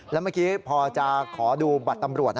แล้วเมื่อกี้พอจะขอดูบัตรตำรวจ